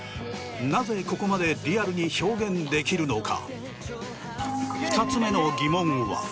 なぜここまでリアルに表現できるのか？